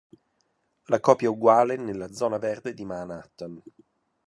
La copia uguale della zona verde di Manhattan.